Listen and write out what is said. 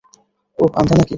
ওহ, আন্ধা নাকি?